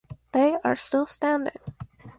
They are still standing.